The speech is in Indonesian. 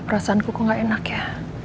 perasaanku kok gak enak ya